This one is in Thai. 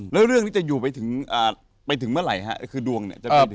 แล้วเรื่องนี้จะอยู่ไปถึงเมื่อไหร่ฮะคือดวงเนี่ย